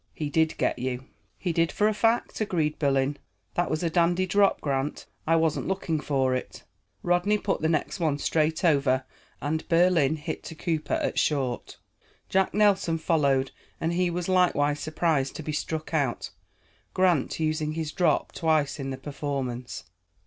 "He did get you." "He did for a fact," agreed Berlin. "That was a dandy drop, Grant. I wasn't looking for it." Rodney put the next one straight over, and Berlin hit to Cooper at short. Jack Nelson followed, and he was likewise surprised to be struck out, Grant using his drop twice in the performance.